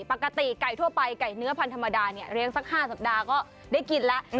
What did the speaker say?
ปกติไก่ทั่วไปไก่เนื้อพันธ์ธรรมดาเนี่ยเลี้ยงสัก๕สัปดาห์ก็ได้กินแล้ว